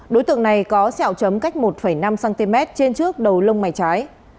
đối tượng này có xẹo chấm cách một năm cm trên trước đầu lông mái trái